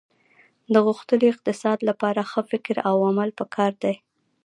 د غښتلي اقتصاد لپاره ښه فکر او عمل په کار دي